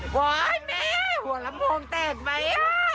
โอ๊ยแม่หัวลำโพงแตกไหม